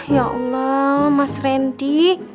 ya allah mas rendi